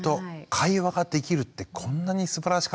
会話ができるってこんなにすばらしかったんだってね。